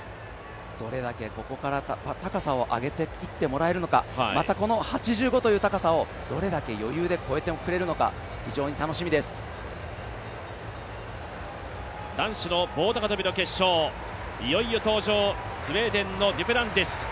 どれだけここから高さを上げていってもらえるのかまたこの８５という高さをどれだけ余裕で越えてくれるのか男子の棒高跳の決勝、いよいよ登場、スウェーデンのデュプランティス